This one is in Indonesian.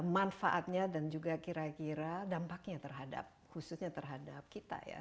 manfaatnya dan juga kira kira dampaknya terhadap khususnya terhadap kita ya